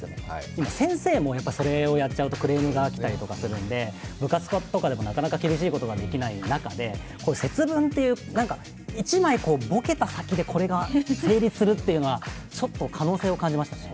今、先生もそれをやっちゃうとクレームが来たりするので、部活とかでもなかなか厳しいことができない中で、節分という一枚、ぼけた先で、これが成立するというのはちょっと可能性を感じましたね。